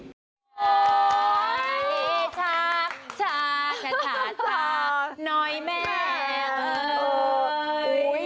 โอ้ยชาน้อยแม่